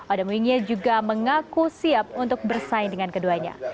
odemwingie juga mengaku siap untuk bersaing dengan keduanya